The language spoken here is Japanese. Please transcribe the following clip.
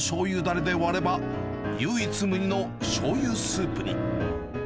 だれで割れば、唯一無二のしょうゆスープに。